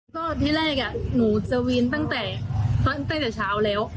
ก็ที่แรกหนูสวีนตั้งแต่เช้าแล้ว